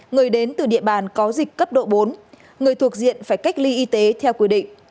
người đến từ địa bàn có dịch cấp độ bốn người thuộc diện phải cách ly y tế theo quy định